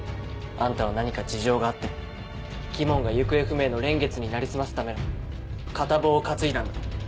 あんたは何か事情があって鬼門が行方不明の蓮月に成り済ますための片棒を担いだんだ。